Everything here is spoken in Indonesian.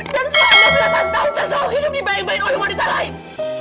dan selama belasan tahun saya selalu hidup di baik baik oleh wanita lain